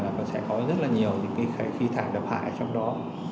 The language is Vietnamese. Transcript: nó sẽ có rất nhiều khí thải đập hại trong đó